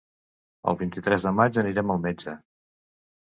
El vint-i-tres de maig anirem al metge.